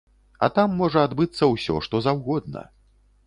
А там можа адбыцца ўсё, што заўгодна.